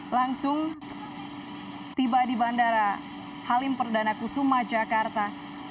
langsung tiba di bandara halim perdana kusuma jakarta